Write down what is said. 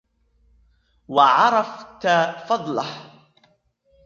وَعَرَفْتَ فَضْلَهُ